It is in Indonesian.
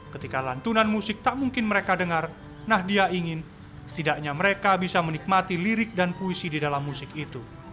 ketika lantunan musik tak mungkin mereka dengar nahdia ingin setidaknya mereka bisa menikmati lirik dan puisi di dalam musik itu